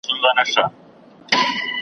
چي په ښکار وو د مرغانو راوتلی .